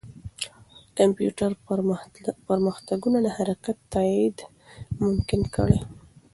کمپیوټر پرمختګونه د حرکت تایید ممکن کړي.